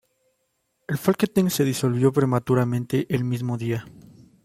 El Folketing se disolvió prematuramente el mismo día.